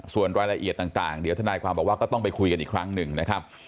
ส่วนรายละเอียดต่างเดี๋ยวทนายความบอกว่าก็ต้องไปคุยกันอีกครั้งหนึ่งนะครับ